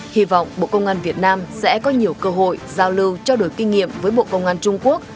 hy vọng bộ công an việt nam sẽ có nhiều cơ hội giao lưu trao đổi kinh nghiệm với bộ công an trung quốc